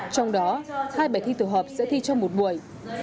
trong đó hai bài thi tổ hợp sẽ thi trong một buổi